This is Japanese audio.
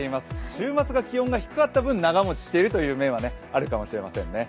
週末が気温、低かった分、長持ちしているという面はあるかもしれないですね。